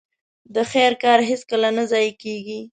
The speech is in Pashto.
د خير کار هيڅکله نه ضايع کېږي.